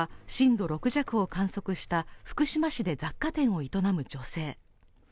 震度６弱を観測した福島市で雑貨店を営む女性。